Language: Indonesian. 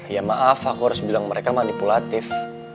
ya maaf aku harus bilang mereka manipulatif